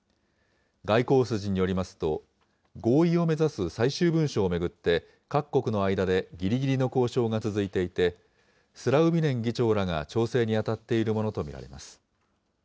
外交筋によりますと、合意を目指す最終文書を巡って、各国の間でぎりぎりの交渉が続いていて、スラウビネン議長らが調整に当たっているものと見られます。